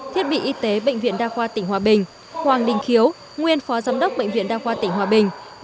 thiết bị y tế bệnh viện đa khoa tỉnh hòa bình hoàng đình khiếu nguyên phó giám đốc bệnh viện đa khoa tỉnh hòa bình